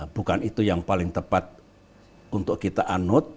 bukan itu yang paling tepat untuk kita anut